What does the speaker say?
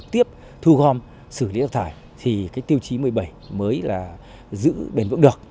tiếp thu gom xử lý rác thải thì tiêu chí một mươi bảy mới giữ bền vững được